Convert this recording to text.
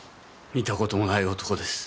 見た事もない男です。